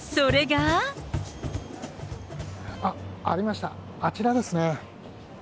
あっ、ありました、あちらですね。